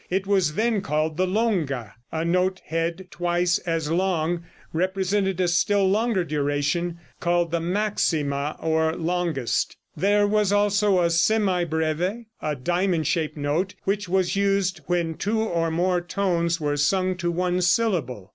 It was then called the longa. A note head twice as long represented a still longer duration, called the maxima or longest. There was also a semibreve, a diamond shaped note which was used when two or more tones were sung to one syllable.